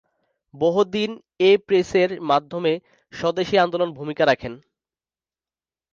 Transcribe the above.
বহু দিন এ প্রেসের মাধ্যমে স্বদেশী আন্দোলনে ভূমিকা রাখেন।